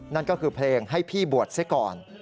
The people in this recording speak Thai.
นั่นก็คือเพลงให้พี่บวชซะก่อน